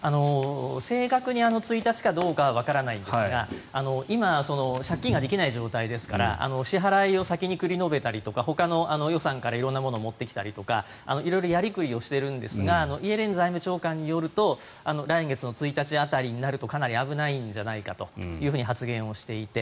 正確に１日かどうかはわからないんですが今、借金ができない状態ですから支払いを先に繰り延べたりとかほかの予算から色んなものを持ってきたりとか色々やり繰りをしてるんですがイエレン財務長官によると来月１日辺りになるとかなり危ないんじゃないかと発言していて。